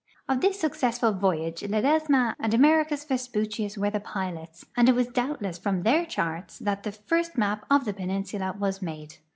Of this successful vo\'age Ledesma and Americus Vespucius were the pilots, and it was doubtless from their charts that the first map of the peninsula was made.